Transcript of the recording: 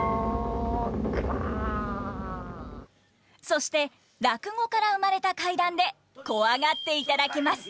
そして落語から生まれた怪談でコワがっていただきます。